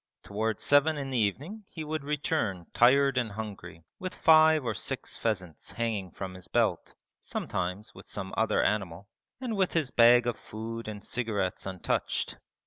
Towards seven in the evening he would return tired and hungry with five or six pheasants hanging from his belt (sometimes with some other animal) and with his bag of food and cigarettes untouched.